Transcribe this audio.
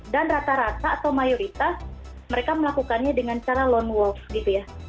dan rata rata atau mayoritas mereka melakukannya dengan cara lone wolf begitu ya